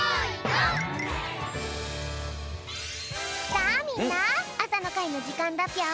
さあみんなあさのかいのじかんだぴょん。